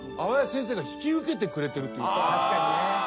確かにね。